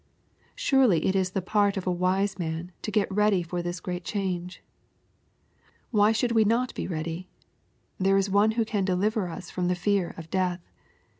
Surely it is the part of a wise man to get ready for this great change. Why should we not bo ready ? There is one who can deliver us fropi the fear of death.